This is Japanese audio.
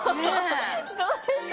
どうですか？